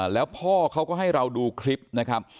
แล้วพ่อเขาก็ให้เราดูคลิปนะครับ